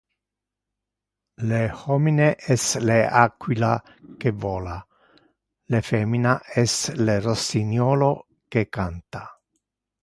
Le homine es le aquila que vola, le femina es le rossiniolo que canta.